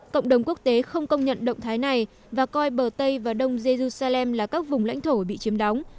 cộng đồng quốc tế không công nhận động thái này và coi bờ tây và đông jerusalem là các vùng lãnh thổ bị chiếm đóng